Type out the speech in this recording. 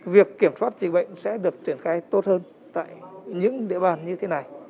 vậy sẽ được triển khai tốt hơn tại những địa bàn như thế này